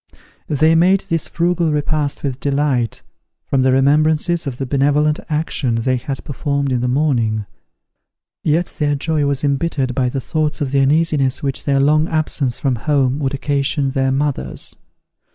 They made this frugal repast with delight, from the remembrances of the benevolent action they had performed in the morning: yet their joy was embittered by the thoughts of the uneasiness which their long absence from home would occasion their mothers.